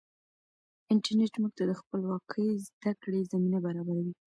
انټرنیټ موږ ته د خپلواکې زده کړې زمینه برابروي.